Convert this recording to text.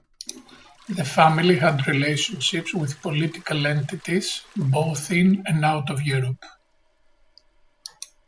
The family had relationships with political entities both in and out of Europe.